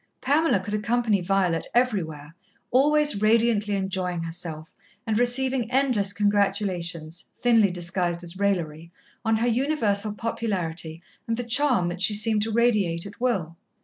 Pamela could accompany Violet everywhere, always radiantly enjoying herself, and receiving endless congratulations, thinly disguised as raillery, on her universal popularity and the charm that she seemed to radiate at will.